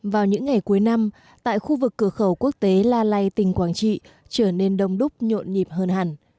vào những ngày cuối năm tại khu vực cửa khẩu quốc tế la lai tỉnh quảng trị trở nên đông đúc nhộn nhịp hơn hẳn